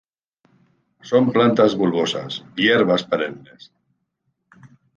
Son plantas bulbosas, hierbas perennes.